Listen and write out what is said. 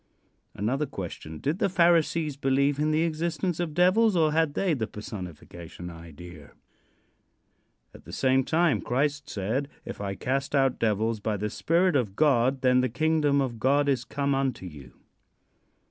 Another question: Did the Pharisees believe in the existence of devils, or had they the personification idea? At the same time Christ said: "If I cast out devils by the Spirit of God, then the kingdom of God is come unto you."